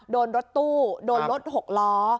โดนรถตู้โดนรถหกล้อ